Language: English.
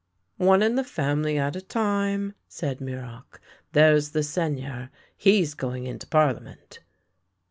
"" One in the family at a time," said Muroc. " There's the Seigneur. He's going into Parliament!